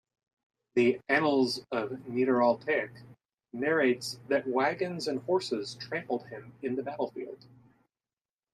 The "Annals of Niederaltaich" narrates that wagons and horses trampled him in the battlefield.